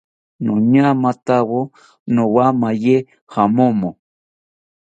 Noñamatawo nowamaye jamomo